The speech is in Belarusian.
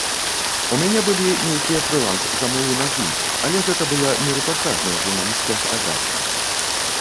У мяне былі нейкія фрыланс-замовы на здымкі, але гэта была не рэпартажная журналісцкая фатаграфія.